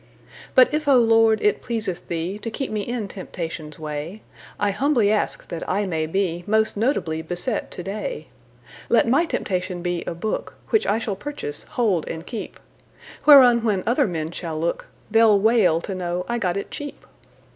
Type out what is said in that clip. But if, O Lord, it pleaseth TheeTo keep me in temptation's way,I humbly ask that I may beMost notably beset to day; Let my temptation be a book, Which I shall purchase, hold, and keep, Whereon when other men shall look, They 'll wail to know I got it cheap.